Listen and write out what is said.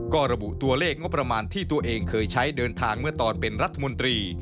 ก็ระบุตัวเลขงบประมาณที่ตัวเองเคยใช้เดินทางเมื่อตอนเป็นรัฐมนตรี